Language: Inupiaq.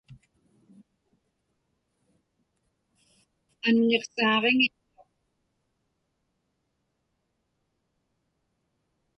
Anniqsaaġiŋitchuq.